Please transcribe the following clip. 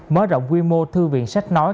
mở rộng quy mô thư viện sách nói